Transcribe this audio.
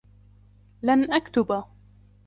لَنْ أَكْتُبَ.